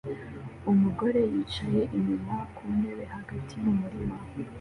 Umugore yicaye inyuma ku ntebe hagati yumurima